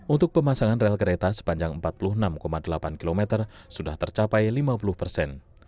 untuk pemasangan rel kereta sepanjang empat puluh enam delapan km sudah tercapai lima puluh persen